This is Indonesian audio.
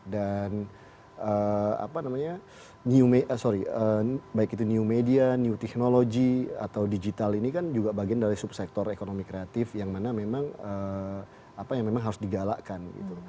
dan apa namanya sorry baik itu new media new technology atau digital ini kan juga bagian dari subsektor ekonomi kreatif yang mana memang harus digalakkan